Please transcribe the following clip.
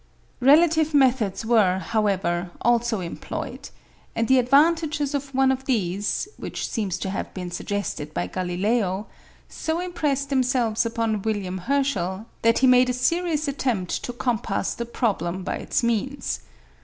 Relative methods were, however, also employed, and the advantages of one of these (which seems to have been suggested by Galileo) so impressed themselves upon William Herschel that he made a serious attempt to compass the problem by its means.